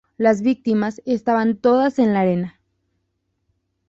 Las víctimas estaban todas en la arena.